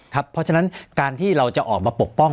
เพราะฉะนั้นการที่เราจะออกมาปกป้อง